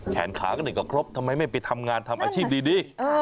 แขนขาก็ไหนก่อนก็ครบทำไมไม่ทำงานอาชีพดี